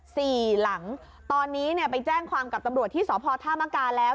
สี่หลังตอนนี้เนี่ยไปแจ้งความกับตำรวจที่สพธามกาแล้ว